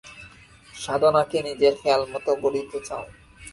সাধনাকে নিজের খেয়ালমত গড়িতে চাও?